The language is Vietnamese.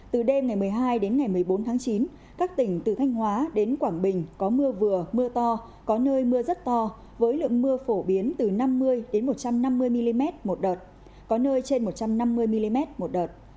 từ đêm ngày một mươi hai đến ngày một mươi bốn tháng chín các tỉnh từ thanh hóa đến quảng bình có mưa vừa mưa to có nơi mưa rất to với lượng mưa phổ biến từ năm mươi một trăm năm mươi mm một đợt có nơi trên một trăm năm mươi mm một đợt